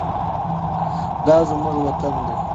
دا زموږ وطن دی.